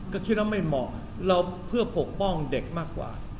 ก็คิดว่าไม่เหมาะเราเพื่อปกป้องเด็กมากกว่า